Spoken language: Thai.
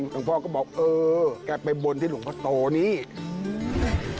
ลุงพ่อก็บอกเออแกไปบนที่ลุงพะโตเนี่ย